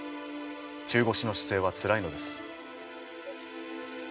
中腰の姿勢はつらいのです。